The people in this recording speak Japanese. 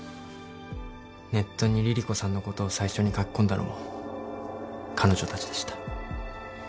ネットに凛々子さんのことを最初に書き込んだのも彼女たちでした。